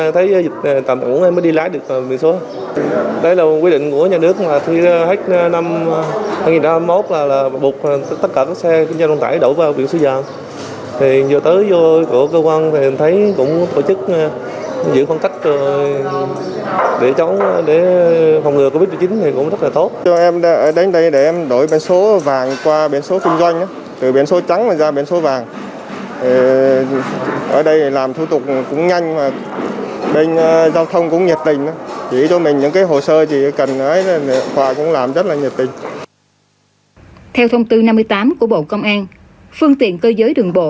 theo thông tư năm mươi tám của bộ công an phương tiện cơ giới đường bộ